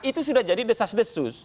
itu sudah jadi desas desus